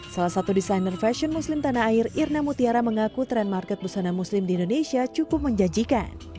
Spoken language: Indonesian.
salah satu desainer fashion muslim tanah air irna mutiara mengaku tren market busana muslim di indonesia cukup menjanjikan